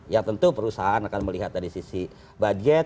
ya tentu perusahaan akan melihat dari sisi budget